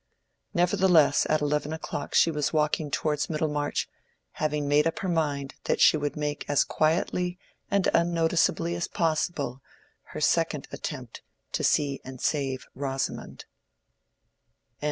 Nevertheless at eleven o'clock she was walking towards Middlemarch, having made up her mind that she would make as quietly and unnoticeably as possible her second attempt to see and save Rosamond.